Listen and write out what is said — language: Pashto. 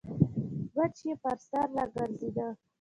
مچ يې پر سر راګرځېده.